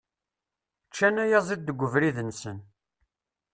Ččan ayaziḍ deg ubrid-nsen.